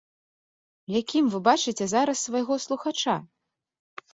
Якім вы бачыце зараз свайго слухача?